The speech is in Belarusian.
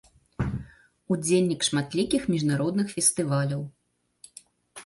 Удзельнік шматлікіх міжнародных фестываляў.